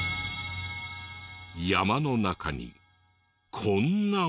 山の中にこんなものが。